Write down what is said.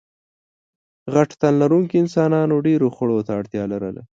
غټ تنلرونکو انسانانو ډېرو خوړو ته اړتیا لرله.